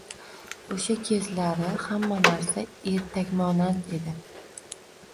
Oʻsha kezlari hamma narsa ertakmonand edi